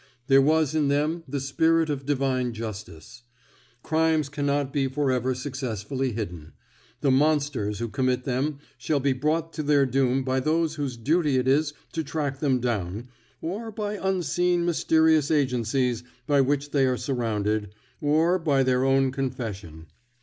There was in them the spirit of Divine justice. Crimes cannot be for ever successfully hidden. The monsters who commit them shall be brought to their doom by those whose duty it is to track them down, or by unseen mysterious agencies by which they are surrounded, or by their own confession.